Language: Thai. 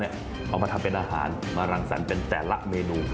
เอามาทำเป็นอาหารมารังสรรค์เป็นแต่ละเมนู